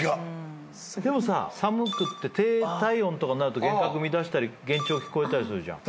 でもさ寒くて低体温とかなると幻覚見だしたり幻聴聞こえたりするじゃん。